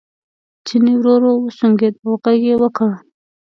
چیني ورو ورو وسونګېد او غږ یې وکړ.